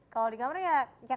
kalau di kamar ya